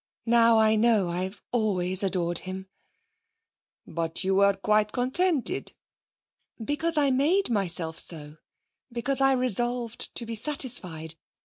Now I know I always adored him.' 'But you were quite contented.' 'Because I made myself so; because I resolved to be satisfied.